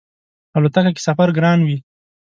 الوتکه کی سفر ګران وی